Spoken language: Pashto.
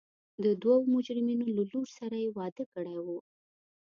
د دوو مجرمینو له لور سره یې واده کړی و.